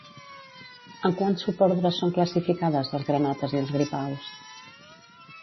En quants subordres són classificades les granotes i els gripaus?